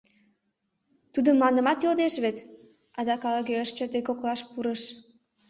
— Тудо мландымат йодеш вет? — адак ала-кӧ ыш чыте, коклаш пурыш.